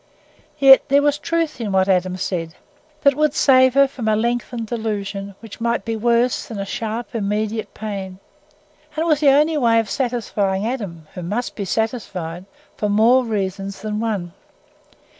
Yet there was truth in what Adam said—that it would save her from a lengthened delusion, which might be worse than a sharp immediate pain. And it was the only way of satisfying Adam, who must be satisfied, for more reasons than one.